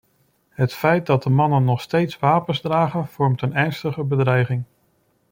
Het feit dat de mannen nog steeds wapens dragen, vormt een ernstige bedreiging.